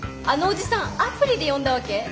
あのおじさんアプリで呼んだわけ？